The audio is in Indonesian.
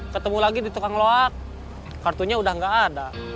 ketemu lagi di tukang loat kartunya udah gak ada